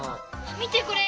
みてこれ！